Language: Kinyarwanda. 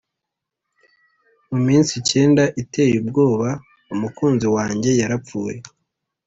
mu munsi icyenda iteye ubwoba umukunzi wanjye yarapfuye;